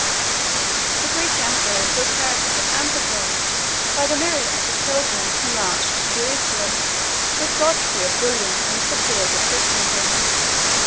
The Greek emperors were terrified and preserved by the myriads of pilgrims who marched to Jerusalem with Godfrey of Bouillon and the peers of Christendom.